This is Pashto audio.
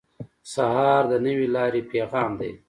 سهار د نوې لارې پیغام دی.